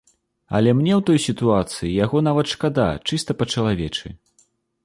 Але мне ў той сітуацыі яго нават шкада, чыста па-чалавечы.